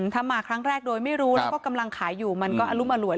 ถ้ามาครั้งแรกโดยไม่รู้แล้วก็กำลังขายอยู่มันก็อรุมอร่วย